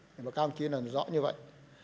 các ông chí là rõ như vậy